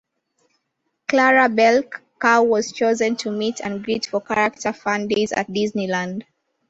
Clarabelle Cow was chosen to meet and greet for Character Fan Days at Disneyland.